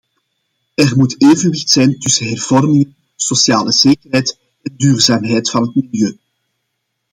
Er moet evenwicht zijn tussen hervormingen, sociale zekerheid en duurzaamheid van het milieu.